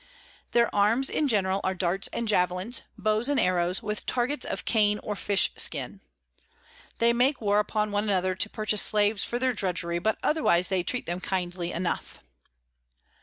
Their Arms in general are Darts and Javelins, Bows and Arrows, with Targets of Cane or Fish Skins. They make war upon one another to purchase Slaves for their Drudgery, but otherwise they treat them kindly enough.